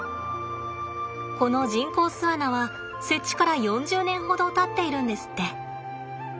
この人工巣穴は設置から４０年ほどたっているんですって。